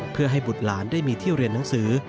เพื่อให้บุตรหลานได้มีที่เรียนหนังสือ